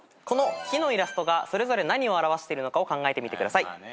この木のイラストがそれぞれ何を表しているのかを考えてみてください。